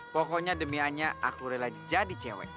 pokoknya demi anya aku rela jadi cewek